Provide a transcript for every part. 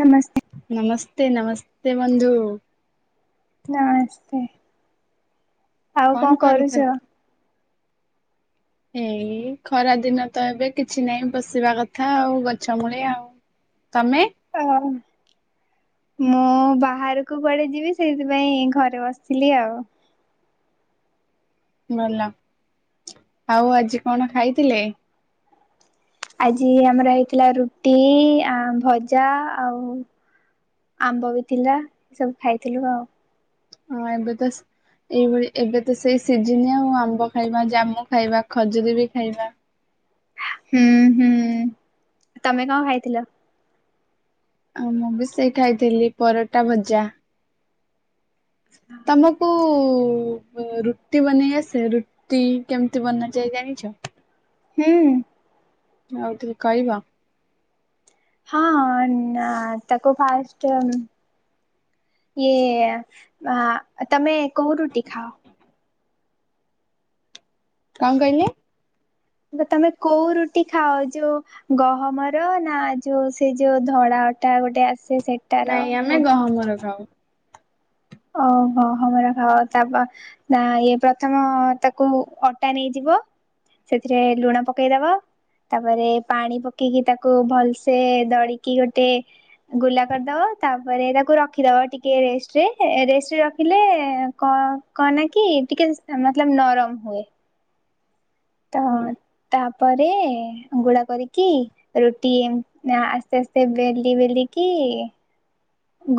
ନମସ୍ତେ। ନମସ୍ତେ ନମସ୍ତେ ବନ୍ଧୁ। ନମସ୍ତେ। ଆଉ କଣ କରୁଚ? ଏଇ ଖରା ଦିନ ତ ଏବେ କିଛି ନାହିଁ ବସିବା କଥା ଆଉ ଗଛ ମୂଳେ ଆଉ। ତମେ? ଆଁ ମୁଁ ବାହାରକୁ କୁଆଡେ ଯିବି ସେଇଥିପାଇଁ ଘରେ ବସିଥିଲି ଆଉ। ଭଲ ଆଉ ଆଜି କଣ ଖାଇଥିଲେ? ଆଜି ଆମର ହେଇଥିଲା ରୁଟି ଆ ଭଜା ଆଉ ଆମ୍ବ ବି ଥିଲା ଏସବୁ ଖାଇଥିଲୁ ଆଉ। ହଁ ଏବେ ତ ଏଇଭଳି ଏବେ ତ ସେଇ ସିଜିନି ଆଉ ଆମ୍ବ ଖାଇବା ଜାମୁ ଖାଇବା ଖଜୁରୀ ବି ଖାଇବା। ହୁଁ ହୁଁ, ତମେ କଣ ଖାଇଥିଲ? ଆ ମୁଁ ବି ସେଇ ଖାଇଥିଲି ପରଟା, ଭଜା। [unintelligible] ତମକୁ ରୁଟି ବନେଇ ଆସେ ରୁ ତି କେମିତି ବନାଯାଏ ଜାଣିଚ? ହୁଁ ଆଉ ଟିକେ କହିବ? ହଁ ତାକୁ ଫାଷ୍ଟେ ଇଏ ତମେ କୋଉ ରୁଟି ଖାଅ? କଣ କହିଲେ? ତମେ କୋଉ ରୁଟି ଖାଅ, ଯୋଉ ଗହମର ନା ଯୋଉ ସେ ଯୋଉ ଧଳା ଅଟା ଗୋଟେ ଆସେ ସେ ନାଇଁ ଆମେ ଗହମ ର ଖାଉ। ଓ ହୋ ଗହମର ଖାଅ ତାପ ନା ଇଏ ପ୍ରଥମ ତାକୁ ଅଟା ନେଇଯିବ ସେଥିରେ ଲୁଣ ପକେଇଦବ। ତାପରେ ପାଣି ପକେଇକି ତାକୁ ଭଲସେ ଦଳିକି ଗୋଟେ, ଗୁଲା କରିଦବ ତାପରେ ତାକୁ ରଖିଦବ ଟିକେ ରେଷ୍ଟରେ, ରେଷ୍ଟ ରେ ରଖିଲେ କହନା କି ଟିକେ ମତଲବ ନରମ ହବ। ହୁଁ। ତାପରେ ଗୁଳା କରିକି, ରୁଟି ଆସ୍ତେ ଆସ୍ତେ ବେଲି ବେଲି କି,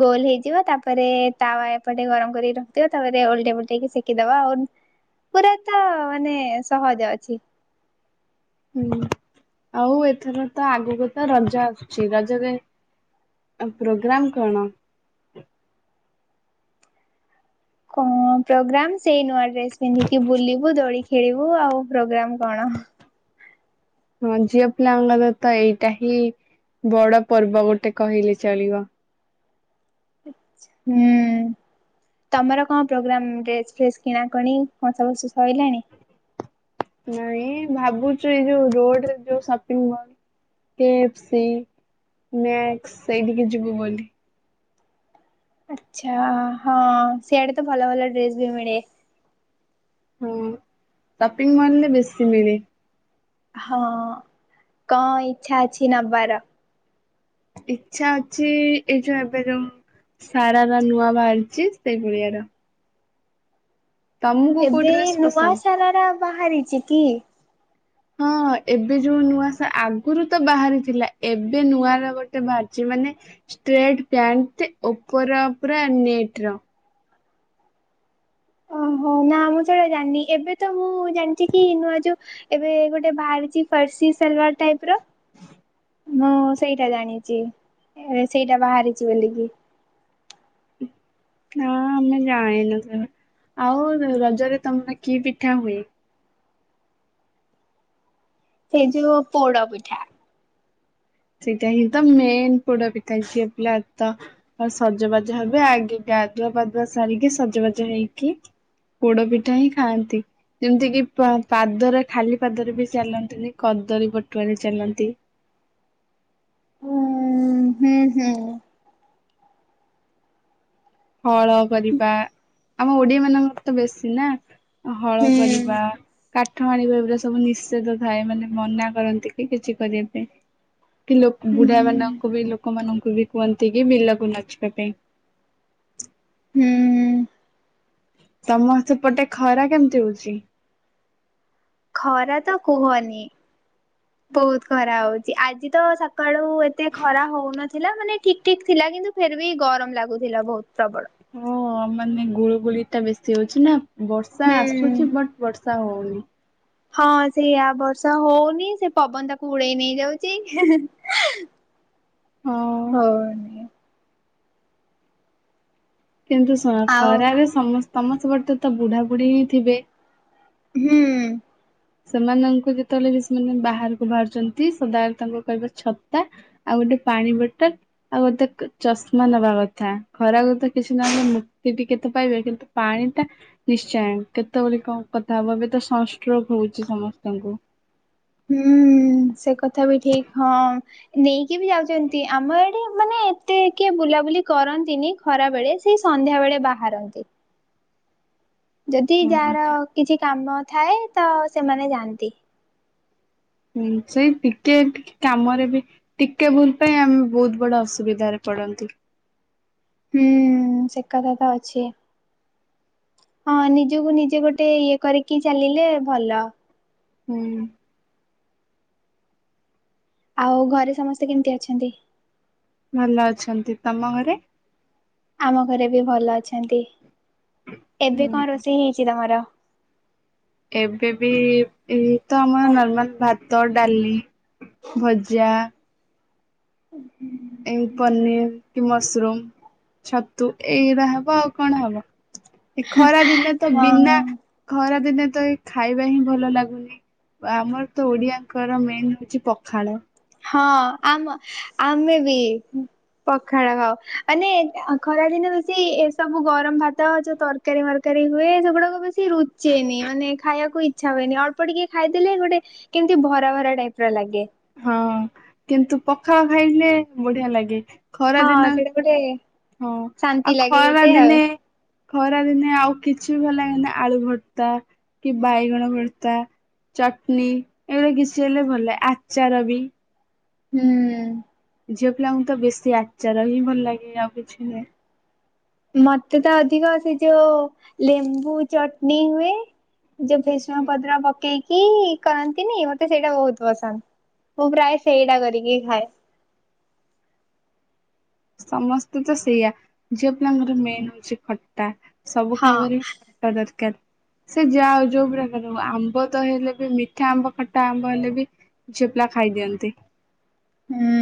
ଗୋଲ ହେଇଯିବ ତାପରେ ତାୱା ଏପଟେ ଗରମ କରି ରଖିଥିଵ ତାପରେ ଓଲଟେଇ ପଲଟେଇକି ସେକିଦବା ଆଉ। ପୁରା ତ ମାନେ ସହଜ ଅଛି। ହୁଁ ଆଉ ଏଥର ତ ଆଗକୁ ତ ରଜ ଆସୁଛି ରଜରେ ପ୍ରୋଗ୍ରାମ କଣ? କଣ ପ୍ରୋଗ୍ରାମ ସେଇ ନୂଆ ଡ୍ରେସ ପିନ୍ଧିକି ବୁଲିବୁ, ଦୋଳି ଖେଳିବୁ ଆଉ ପ୍ରୋଗ୍ରାମ କଣ। ହଁ ଝିଅ ପିଲାଙ୍କର ତ ଏଇଟା ହିଁ ବଡ ପର୍ବ ଗୋଟେ କହିଲେ ଚଳିବ। ହୁଁ। ତମର କଣ ପ୍ରୋଗ୍ରାମ୍ ଡ୍ରେସ୍ ଫ୍ରେସ୍ କିଣାକଣି କଣସବୁ ସଇଲାଣି। ନାଇଁ ଭାବୁଛୁ ଏଇ ଯୋଉ ରୋଡ ଯୋଉ ସପିଙ୍ଗ ମଲ୍ କେଫସି ମ୍ୟାକ୍ସ ସେଇଠିକି ଯିବୁ ବୋଲି। ଆଚ୍ଛା ହଁ ସିଆଡେ ତ ଭଲ ଭଲ ଡ୍ରେସ ବି ମିଳେ। ହୁଁ ସପିଙ୍ଗ ମଲରେ ବେଶୀ ମିଳେ। ହଁ କଣ ଇଚ୍ଛା ଅଛି ନବାର? ଇଚ୍ଛା ଅଛି ଏଇଯୋଉ ଏବେ ଯୋଉ। ସାରାରା ନୂଆ ବାହାରିଛି ସେଇ କିଣିଵାର। କୋଉ ଏବେ ଡ୍ରେସ ନୂଆ ପସନ୍ଦ? ସାରାରା ବାହାରିଛି କି? ହଁ ଏବେ ଯୋଉ ନୂଆ ସା ଆଗୁରୁ ତ ବାହାରିଥିଲା ଏବେ ନୂଆରା ଗୋଟେ ବାହାରିଛି ମାନେ। ଷ୍ଟ୍ରେଟ ପ୍ୟାଣ୍ଟ ଓପର ପୁରା ନେଟ୍ ର। ଓହୋ ନା ମୁଁ ସେଟା ଜାଣିନି ଏବେ ତ ମୁଁ ଜାଣିଛି କି ନୂଆ ଯୋଉ। ଏବେ ଗୋଟେ ବାହାରିଛି ଫାର୍ସି ସଲୱାର ଟାଇପ୍ ର। ମୁଁ ସେଇଟା ଜାଣିଚି ଏ ସେଇଟା ବାହାରିଚି ବୋଲିକି। ନା ଆମେ ଜାଣିନୁ ସେରା ଆଉ ର ରଜରେ ତମର କି ପିଠା ହୁଏ? ସେ ଯୋଉ ପୋଡ ପିଠା। ସେଇଟା ହି ତ ମେନ ପୋଡପିଠା ଝିଅପିଲା ତ। ଆଉ ସଜବାଜ ହେବେ ଆଗେ ଗାଧୁଆ ପାଧୁଆ ସାରିକି ସଜବାଜ ହେଇକି। ପୋଡ ପିଠା ହିଁ ଖାଆନ୍ତି। ଯେମିତି କି ପା ପାଦରେ ଖାଲି ପାଦରେ ବି ଚାଲନ୍ତିନି କଦଳୀ ବଟୁଆରେ ଚାଲନ୍ତି। ହୁଁ ହୁଁ ହୁଁ। ହଳ କରିବା ଆମ ଓଡିଆମାନଙ୍କର ତ ବେଶୀ ନା। ହଳ କରିବା। ହୁଁ କାଠ ହାଣିବା ଏଗୁରା ସବୁ ନିଷେଧ ଥାଏ ମାନେ ମନାକରନ୍ତି କି କିଛି କରିବାପାଇଁ। କି ଲୋକ ବୁଢାମାନଙ୍କୁ ବି ଲୋକମାନଙ୍କୁ ବି କୁହନ୍ତି କି ବିଲକୁ ନଜିବା ପାଇଁ। [unintelligible] ହୁଁ। ତମସେପଟେ ଖରା କେମିତି ହଉଛି? ଖରା ତ କୁହନି। ବହୁତ ଖରା ହଉଛି ଆଜି ତ ସକାଳୁ ଏତେ ଖରା ହଉନଥିଲା ମାନେ ଠିକ ଠିକ ଥିଲା କିନ୍ତୁ। ଫେର ବି ଗରମ ଲାଗୁଥିଲା ବହୁତ ପ୍ରବଳ। ହଁ ମାନେ ଗୁଳୁଗୁଳିଟା ବେଶୀ ହଉଛି ନା ବର୍ଷା ହୁଁ। ଆସୁଛି ବଟ୍। ବର୍ଷା ହୋଉନି। ହଁ ସେୟା ବର୍ଷା ହୋଉନି ସେ ପବନ ତାକୁ ଉଡେଇ ନେଇ ଯାଉଚି। ହଁ ହ ନ। କିନ୍ତୁ ଶୁଣ ଆଉ ଖରାରେ ସମସ ତମ ସେପଟେ ତ ଏକ ତ ବୁଢା ବୁଢ଼ୀ ହିଁ ଥିବେ। ହୁଁ। ସେମାନଙ୍କୁ ଯେତେବେଳେ ବି ସେମାନେ ବାହାରୁକୁ ବାହାରୁଛନ୍ତି ସଦାବେଳେ ତାଙ୍କୁ କହିବେ ଛତା। ଆଉ ଗୋଟେ ପାଣି ବୋଟଲ। ଆଉ ଗୋଟେ କ ଚଷମା ନବାକଥା ଖରାକୁ ତ କିଛି ନହେଲେ ମୁକ୍ତି ଟିକେ ତ ପାଇବେ କିନ୍ତୁ। ପାଣିଟା ନିଶ୍ଚୟ କେତେବଳେ କଣ କଥାହବ ଏବେ ତ ସନଷ୍ଟ୍ରୋକ ହୋଉଛି ସମସ୍ତଙ୍କୁ। ହୁଁ ହୁଁ ସେ କଥା ବି ଠିକ ହଁ। ନେଇକି ବି ଯାଉଚନ୍ତି ଆମଆଡେ ମାନେ ଏତେ କିଏ ବୁଲାବୁଲି କରନ୍ତିନି। ଖରାବେଳେ ସେଇ ସନ୍ଧ୍ୟାବେଳେ ବାହାରନ୍ତି। ଯଦି ହଁ ଯାହାର ଠିକ। କିଛି କାମ ଥାଏ ତ ସେମାନେ ଯାଆନ୍ତି। ହୁଁ ସେଇ ଟିକେ ଟିକେ କାମରେ ବି। ଟିକେ ଭୁଲ ପାଇଁ ଆମେ ବହୁତ ବଡ଼ ଅସୁବିଧାରେ ପଡ଼ନ୍ତି। ହୁଁ ସେ କଥା ତ ଅଛି। ହଁ ନିଜକୁ ନିଜେ ଗୋଟେ ଇଏ କରିକି ଚାଲିଲେ ଭଲ। ହୁଁ। ଆଉ ଘରେ ସମସ୍ତେ କେମିତି ଅଛନ୍ତି? ଭଲ ଅଛନ୍ତି। ତମ ଘରେ? ଆମ ଘରେ ବି ଭଲ ଅଛନ୍ତି। ଏବେ ହୁଁ। କଣ ରୋଷେଇ ହେଇଛି ତମର? ଏବେ ବି ଏଇତ ଆମର ନର୍ମାଲ ଭା ତ, ଡାଲି, ଭଜା। [inaudible] ଏ ପନିର କି ମସ୍ରୁମ। ଛତୁ ଏଇଟା ହବ ଆଉ କଣ ହବ ଏ ଖରା ଦିନେ ତ ହଁ ବିନା ଖରାଦିନେ ତ ଏ ଖାଇବା ହିଁ ଭଲ ଲାଗୁନି। ଆମର ତ ଓଡିଆଙ୍କର ମେନ୍ ହଉଛି ପଖାଳ। ହଁ ଆମ ଆମେ ବି। ପଖାଳ ଖାଉ। ମାନେ ଖରାଦିନେ ବେଶି ଏ ସବୁ ଗରମ ଭାତ ଯୋଉ ତର କାରୀ ମରକାରୀ ହୁଏ ସେଗୁଡାକ ବେଶୀ ରୁଚେନି ମାନେ ଖାଇବାକୁ ଇଚ୍ଛା ହୁଏନି ଅଳ୍ପ ଟିକେ ଖାଇଦେଲେ ଗୋଟେ କେମିତି ଭରା ଭରା ଟାଇପ ର ଲାଗେ। ହଁ କିନ୍ତୁ ପଖାଳ ଖାଇଲେ ବଢ଼ିଆ ଲାଗେ। ଖରା ହଁ ଦିନ ସେଇଟା ଗୋଟେ ହଁ ଆଉ ଶାନ୍ତି ଲାଗେ ଖରା ଗୋଟେ ଆଉ ଦିନେ ଖରା ଦିନେ ଆଉ କିଛି ବି ଭଲ ଲାଗେନା ଆଳୁ ଭର୍ତା କି ବାଇଗଣ ଭର୍ତା। ଚଟନୀ ଏଇଗୁଡା କିଷ ହେଲେ ଭଲେ ଆଚାର ବି। ହୁଁ। ଝିଅ ପିଲାଙ୍କୁ ତ ବେଶୀ ଆଚାର ହିଁ ଭଲ ଲାଗେ ଆଉ କିଛି ନାଇ। ମତେ ତ ଅଧିକ ସେ ଯୋଉ ଲେମ୍ବୁ ଚଟନୀ ହୁଏ। ଯୋଉ ଭିଷଣ ପତ୍ର ପକେଇକି କରନ୍ତିନି ମତେ ସେଇଟା ବହୁତ ପସନ୍ଦ ମୁଁ ପ୍ରାୟ ସେଇଟା କରିକି ଖାଏ। ସମସ୍ତେ ତ ସେଇୟା ଝିଅ ପିଲାଙ୍କର ମେନ୍ ହଉଛି ଖଟା। ସବୁ ହଁ ଖାଇବାରେ ଦରକାର। ସେ ଯା ଯୋଉ ପ୍ରକାର ଆମ୍ବ ତ ହେଲେ ବି ମିଠା ଆମ୍ବ ଖଟା ଆମ୍ବ ହେଲେ ବି ଝିଅ ପିଲା ଖାଇ ଦିଅନ୍ତି। ହୁଁ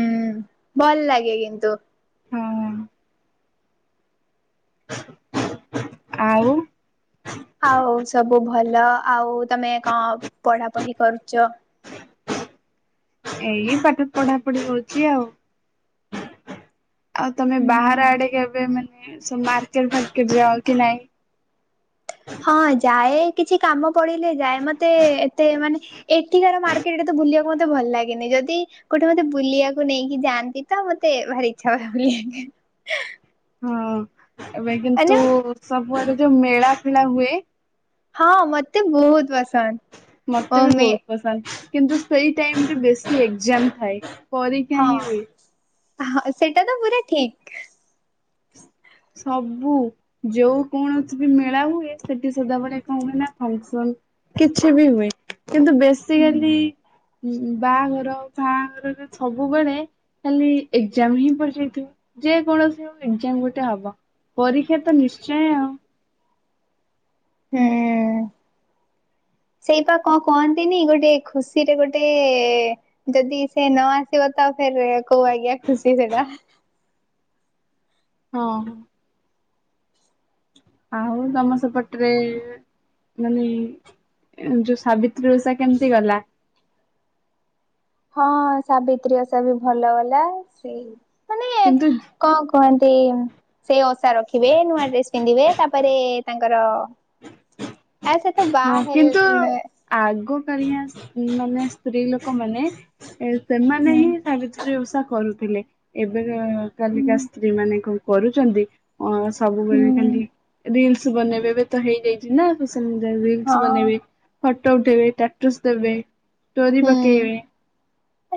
ଭଲ ଲାଗେ କିନ୍ତୁ। ହଁ ଆଉ। ଆଉ ସବୁ ଭଲ। ଆଉ ତମେ କଣ ପଢ଼ା ପଢ଼ି କରୁଛ? ଏଇ ପାଠ ପଢାପଢି ହଉଛିି ଆଉ। ଆଉ ତମେ ବାହାର ଆଡେ କେବେ ମାନେ ସେ ମାର୍କେଟ ଫାର୍କେଟ ଯାଅ କି ନାଇଁ? ହଁ ଯାଏ କିଛି କାମ ପଡିଲେ ଯାଏ। ମତେ ଏତେ ମାନେ ଏଠିକାର ମାର୍କେଟ ରେ ତ ବୁଲିବାକୁ ମତେ ଭଲ ଲାଗେନି ଯଦି କୋଉଠେ ମତେ ବୁଲିବାକୁ ନେଇକି ଯାଆନ୍ତି ତ ମତେ ଭାରି ଇଚ୍ଛା ହୁଏ ବୁଲିବାକୁ। ହଁ ଏବେ କିନ୍ତୁ ମାନେ ସବୁଆଡେ ଯୋଉ ମେଳା ଫେଳା ହୁଏ। ହଁ ମତେ ବହୁତ ପସନ୍ଦ। ଓ ମତେ ବି ମେ ବହୁତ ପସନ୍ଦ, କିନ୍ତୁ ସେ ଟାଇମରେ ବେଶୀ ଏକ୍ଜାମ ଥାଏ। ପରୀକ୍ଷା ହଁ ହିଁ ହୁଏ। ହଁ ସେଇଟା ତ ପୁରା ଠିକ। ସବୁ। ଯୋଉ କୌଣସି ବି ମେଳା ହୁଏ ସେଠି ସଦାବେଳେ କଣ ହୁଏ ନା ଫଙ୍କସନ। କିଛି ବି ହୁଏ କିନ୍ତୁ ବେସିକାଲି ଉଁ ହୁଁ ବାହାଘର ଫାଘରରେ ସବୁବେଳେ ଖାଲି ଏକ୍ଜାମହିଁ ପାଡିଯାଇଥିବ ଯେ କୌଣସି ହଉ ଏକ୍ଜାମ୍ ଗୋଟେ ହବ ପରୀକ୍ଷାତ ନିଶ୍ଚୟ ଆଉ। ହୁଁ। ସେଇପି କଁ କହନ୍ତିନି ଗୋଟେ ଖୁସିରେ ଗୋଟେ ଯଦି ସେ ନ ଆ ଆସିବତ ଆଉ ଫେରେ କୋଉ ଆଜ୍ଞା ଖୁସି ସେଟା। ହଁ। ଆଉ ତମ ସେପଟରେ ମାନେ ଯୋଉ ସାବିତ୍ରୀ ଉଷା କେମିତି ଗଲା? ହଁ ସାବିତ୍ରୀ ଓଷାବି ଭଲ ଗଲା ସେଇ କିନ୍ତୁ କଁ କୁହନ୍ତି ସେଓସା ରଖିବେ ନୂଆ ଡ୍ରେସ୍ ପିନ୍ଧିବେ ତାପରେ ତାଙ୍କର [inaudible] ବାହା ହଁ ହେଲେ କିନ୍ତୁ ଆଗ କଳିଆ ମାନେ ସ୍ତ୍ରୀ ଲୋକମାନେ ଏ ସେମାନେ ହୁଁ ହିଁ ସାବିତ୍ରୀ ଓଷା କରୁଥିଲେ ଏବେ ହୁଁ କାଲିକା ସ୍ତ୍ରୀ ମାନେ କଣ କରୁଚନ୍ତି? ହଁ ହୁଁ ସବୁବେଳେ ଖାଲି ରିଲସ୍ ବନେଇବେ ଏବେତ ହେଇଯାଇଚିନା ସେ ରିଲସ୍ ହଁ ବନେଇବେ ଫଟୋ ଉଠେଇବେ ଷ୍ଟାଟସ୍ ଦେବେ ଷ୍ଟୋରୀ ହୁଁ। ପକେଇବେ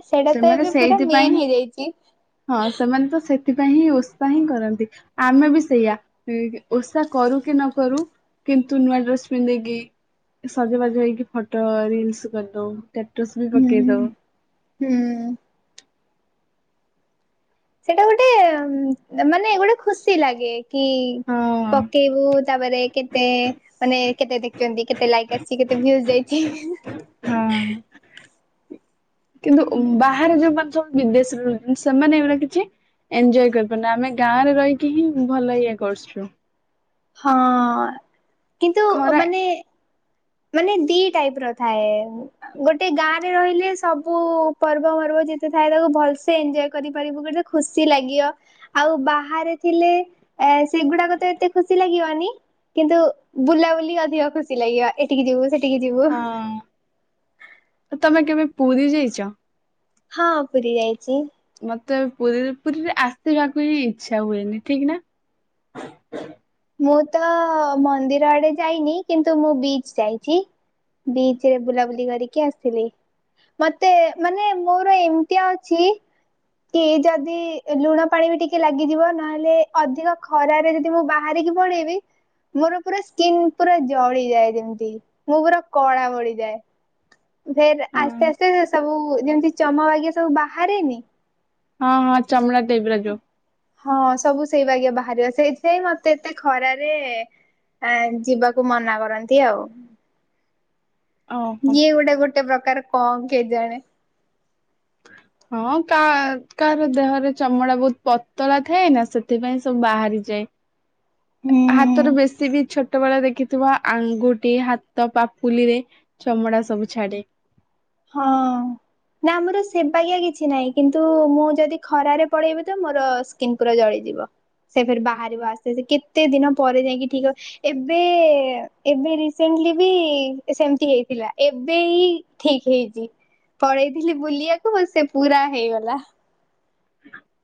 ସେଇଟା ତ ସେମାନେ ଏବେ ପୁରା ସେଇଥିପାଇଁ ମେନ୍ ହେଇଯାଇଛି। ହଁ ସେମାନେତ ସେ ସେଥିପାଇଁହିଁ ଓଷାହିଁ କରନ୍ତି ଆମେ ବି ସେଇଆ ଓଷା କରୁକି ନ କରୁ କିନ୍ତୁ ନୂଆଁ ଡ୍ରେସ୍ ପିନ୍ଧିକି ସଜବାଜ ହେଇକି ଫଟୋ ରିଲସ୍ କରିଦଉ ଷ୍ଟାଟସ୍ ବି ପକେଇ ଦଉ। ହୁଁ। ସେଇଟା ଗୋଟେ ମାନେ ଗୋଟେ ଖୁସି ଲାଗେ। କି ହଁ ପକେଇବୁ ତାପରେ କେ ମାନେ କେତେ ଦେଖୁଚନ୍ତି କେତେ ଲାଇକ୍ ଆସିଚି କେତେ ଭିଉଜ ଯାଇଚି। ହଁ କିନ୍ତୁ ବାହାରେ ଯୋଉମାନେ ସବୁ ବିଦେଶରେ ରହିଚନ୍ତି ସେମାନେ ଏଇରା କିଛି ଏଞ୍ଜୟ କରିପାରୁନ ଆମେ ଗାଁରେ ରହିକିହିଁ ଭଲ ଇଏ କରୁଚୁ। ହଁ କିନ୍ତୁ ଖରା ମାନେ ମାନେ ଦି ଟାଇପ୍ର ଥାଏ। ଗୋଟେ ଗାଁରେ ରହିଲେ ସବୁ ପର୍ବ ଫର୍ବ ଯେତେ ଥାଏ ତାକୁ ଭଲସେ ଏଞୟ କରିପାରିବୁ କି ଖୁସି ଲାଗିବ। ଆଉ ବାହାରେ ଥିଲେ ଏ ସେଗୁଡ଼ାକତ ଏତେଖୁସି ଲାଗିବନି କିନ୍ତୁ ବୁଲାବୁଲି ଅଧିକ ଖୁସି ଲାଗିବ ଏଠିକି ଯିବୁ ସେଠି ହଁ, ତମେ କେବେ ପୁରୀ ଯାଇଚ? ହଁ, ପୁରୀ ଯାଇଚି। ମତେ ପୁରୀ ପୁରୀରେ ଆସିବାକୁହିଁ ଇଚ୍ଛା ହୁଏନି ଠିକ୍ ନା? ମୁଁ ତ ମନ୍ଦିର ଆଡ଼େ ଯାଇନି କିନ୍ତୁ ମୁଁ ବିଚ୍ ଯାଇଚି ବିଚିରେ ବୁଲାବୁଲି କରିକି ଆସିଥିଲି। ମତେ ମାନେ ମୋର ଏମିତିଆ ଅଛି କି ଯଦି ଲୁଣ ପାଣିବି ଟିକେ ଲାଗିଯିବ ନହେଲେ ଅଧିକ ଖରାରେ ଯଦି ମୁଁ ବା ବାହାରିକି ପଳେଇବି ମୋର ପୁରା ସ୍କିିନ୍ ପୁରା ଜଳିଯାଏ ଯେମିତି ମୁଁ ପୁରା କଳା ବଢ଼ିଯାଏ। ଫେର ଆସ୍ତେ ହଁ। ଆସ୍ତେ ସବୁ ଯେମିତି ଚମ ବାଗିଆ ସବୁ ବାହାରେନି ହଁ ହଁ ଚମଡ଼ା ଟାଇପର ଯୋଉ। ହଁ ସବୁ ସେଇବାଗିଆ ବାହାରିବ ସେଇଥିପାଇଁ ମତେ ଏତେ ଖରାରେ ଆଁ ଯିବାକୁ ମନା କରନ୍ତି ଆଉ। ଓହୋ ୟିଏ ଗୋଟେ ଗୋଟେ ପ୍ରକାର କଣ କେଜାଣେ। ହଁ କା କାହାର ଦେହରେ ଚମଡା ବହୁତ ପତଳା ଥାଏ ନା ସେଥିପାଇଁ ସବୁ ବାହାରିଯାଏ। ହ [unintelligible] ଆ ହାତରୁ ବେଶୀ ବି ଛୋ ଛୋଟବେଳେ ଦେଖିଥିବା ଆଙ୍ଗୁଟି ହାତ ପାପୁଲି ରେ ଚମଡ଼ା ସବୁ ଛାଡେ। ହଁ ଅଁ। ନା ଆମର ସେବାଗିଆ କିଛି ନାହିଁ କିନ୍ତୁ ମୁଁ ଯଦି ଖରାରେ ପଳେଇବି ତ ମୋର ସ କିନ ପୁରା ଜଳିଯିବ ସେ ଫରେ ବାହାରିବ ଆସ୍ତେ ଆ କେତେ ଦିନ ପରେ ଯାଇକି ଠିକ ହ ଏବେ ଏ ଏବେ ରିସେଣ୍ଟଲି ବି ସେମତି ହେଇଥିଲା ଏବେ ହି ଏଇ ଠିକ ହେଇଚି ପଳେଇଥିଲି ବୁଲିବାକୁ ସେ ପୁରା ହେଇଗଲା।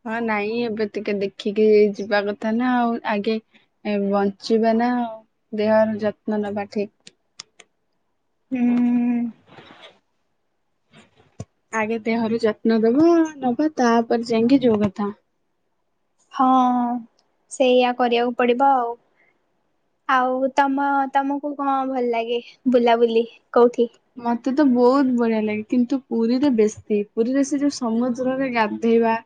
ହଁ ନାଇଁ ଏବେ ଟିକେ ଦେଖିକି ଯିବା କଥା ନା ଆଉ ଆଗେ ଏ ବଞ୍ଚିବା ନା ଆଉ ଦେହର ଯତ୍ନ ନେବା ଠିକ। ହୁଁ ଆଗେ ଦେହରୁ ଯତ୍ନ ଦବ ନବ ତାପରେ ଯାଇଁକି ଯୋଉ କଥା। ହଁ ସେଇୟଆ କରିବାକୁ ପଡିବ ଆଉ। ଆଉ ତମ ତମକୁ କଣ ଭଲ ଲାଗେ ବୁଲାବୁଲି କୋଉଠି? ମତେ ତ ବହୁତ ବଢିଆ ଲାଗେ କିନ୍ତୁ ପୁରୀରେ ବେଶୀ ପୁରୀରେ ସେ ଯୋଉ ସମୁଦ୍ରରେ ଗାଧେଇବା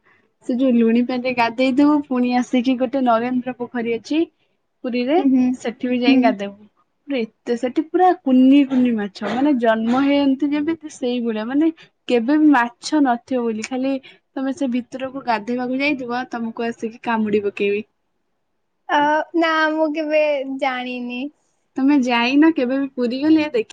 ସେ ଯୋଉ ଲୁଣି ପାଣିରେ ଗାଧେଇଥିବୁ ପୁଣି ଆସିକି ଗୋଟେ ଯଉ ନରେନ୍ଦ୍ର ପୋଖରୀ ଅଛି ପୁରୀରେ ହୁଁ ହୁଁ ସେଠି ବି ଯାଇ ହୁଁ। ଗାଧେଇବୁ ପୁରା ଏତେ ସେଠି ପୁରା କୁନି କୁନି ମାଛ। ମାନେ ଜନ୍ମ ହେଇ [unintelligible] ଯେମିତି ସେଇଭଳିଆ ମାନେ କେବେ ବି ମାଛ ନଥିବ ବୋଲି ଖାଲି ତମେ ସେ ଭିତରକୁ ଗାଧେଇବାକୁ ଯାଇଥିବ ତମକୁ ଆସିକି କାମୁଡି ପକେଇବେ। ଅ ନା ମୁଁ କେବେ ଜାଣିନି। ତମେ ଯାଇନ କେବେ ବି ପୁରୀ ଗଲେ ଦେଖ